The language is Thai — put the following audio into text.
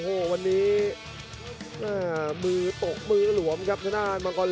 โอ้โหโอ้โห